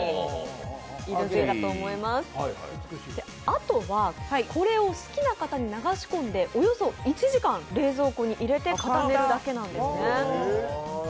あとはこれを好きな型に流し込んでおよそ１時間冷蔵庫に入れて固めるだけなんですね。